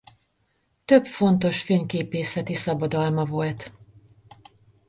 Több fontos fényképészeti szabadalma volt.